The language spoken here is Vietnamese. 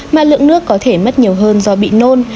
mà lượng nước có thể mất nhiều hơn do bị nôn